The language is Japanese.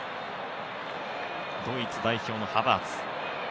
ドイツ代表のハバーツ。